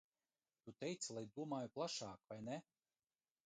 Tu teici, lai domāju plašāk, vai ne?